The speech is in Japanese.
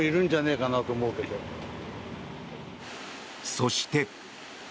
そして。